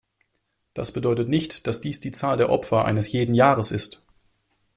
Das bedeutet nicht, dass dies die Zahl der Opfer eines jeden Jahres ist.